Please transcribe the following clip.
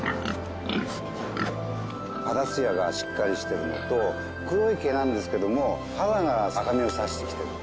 肌つやがしっかりしてるのと黒い毛なんですけども肌が赤身をさしてきてる。